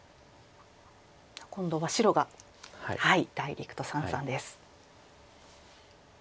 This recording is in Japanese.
今度は白がダイレクト三々です。